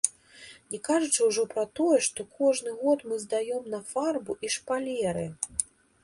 Не кажучы ўжо пра тое, што кожны год мы здаём на фарбу і шпалеры.